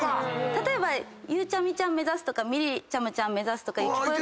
例えばゆうちゃみちゃん目指すとかみりちゃむちゃん目指すとかゆきぽよ